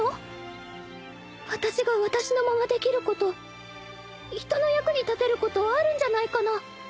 私が私のままできること人の役に立てることあるんじゃないかな？